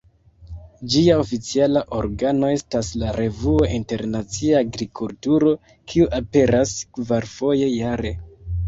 Ĝia oficiala organo estas la revuo "Internacia Agrikulturo", kiu aperas kvarfoje jare.